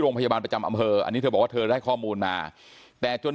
โรงพยาบาลประจำอำเภออันนี้เธอบอกว่าเธอได้ข้อมูลมาแต่จน